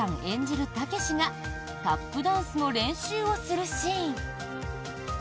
演じるたけしがタップダンスの練習をするシーン。